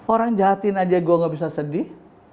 orang jahatin aja gue gak bisa sedih